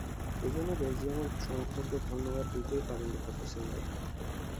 এ জন্য বেলজিয়ামের সমর্থকদের ধন্যবাদ দিতে পারেন লুকাকু সিনিয়রকে।